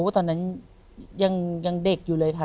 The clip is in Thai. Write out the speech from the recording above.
ตอนนั้นยังเด็กอยู่เลยค่ะ